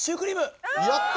やった！